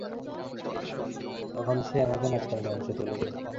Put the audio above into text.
তখন সে আমাকে নাচের মঞ্চে তুলে দেয়।